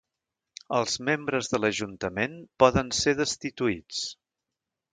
Els membres de l'ajuntament poden ser destituïts.